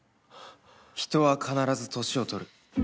人は必ず年を取る